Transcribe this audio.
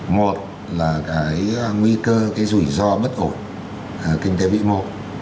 một là cái nguy cơ cái rủi ro bất ổn kinh tế bị mộ